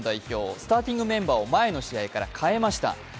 スターティングメンバーを前の試合からかえました。